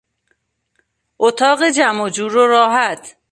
اتاق جمع و جور و راحت